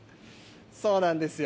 そうなんですよ。